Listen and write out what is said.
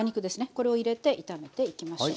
これを入れて炒めていきましょう。